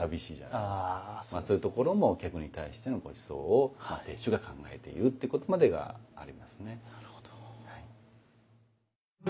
まあそういうところも客に対してのごちそうを亭主が考えているということまでがありますね。